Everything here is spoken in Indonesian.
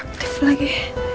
ah kaktif lagi